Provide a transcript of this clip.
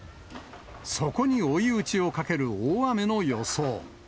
そこに追い打ちをかける大雨の予想。